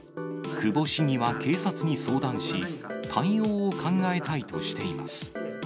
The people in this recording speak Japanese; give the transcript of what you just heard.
久保市議は警察に相談し、対応を考えたいとしています。